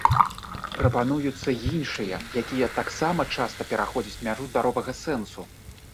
Прапануюцца іншыя, якія таксама часта пераходзяць мяжу здаровага сэнсу.